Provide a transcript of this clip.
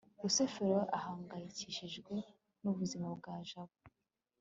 rusufero ahangayikishijwe n'ubuzima bwa jabo